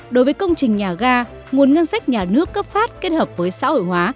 đối với công trình nhà ga nguồn ngân sách nhà nước cấp phát kết hợp với xã hội hóa